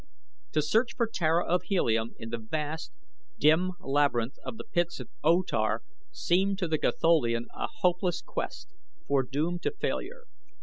To search for Tara of Helium in the vast, dim labyrinth of the pits of O Tar seemed to the Gatholian a hopeless quest, foredoomed to failure.